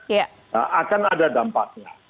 ya akan ada dampaknya